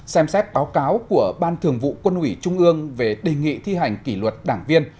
xem xét báo cáo của ban thường vụ quân ủy trung ương về đề nghị thi hành kỷ luật đảng viên